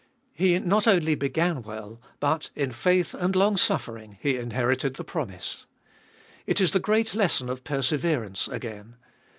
He not only began well, but in faith and longsuffering he inherited the promise. It is the great lesson of perseverance again.